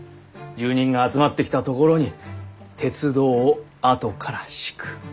住人が集まってきたところに鉄道をあとから敷く。